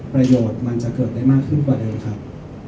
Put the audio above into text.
ประโยชน์มันจะเกิดได้มากขึ้นกว่าเดิมครับ